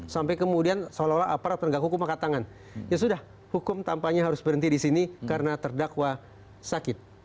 sampai kemudian seolah olah aparat penegak hukum mengatakan ya sudah hukum tampaknya harus berhenti di sini karena terdakwa sakit